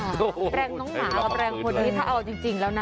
แปลงของหนาและแปลงผลถ้าเอาจริงแล้วนะ